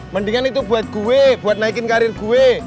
mendingan itu buat gue buat naikin karir gue